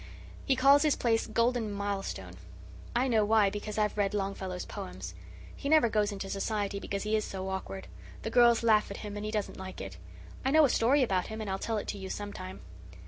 He calls his place Golden Milestone. I know why, because I've read Longfellow's poems. He never goes into society because he is so awkward. The girls laugh at him and he doesn't like it. I know a story about him and I'll tell it to you sometime."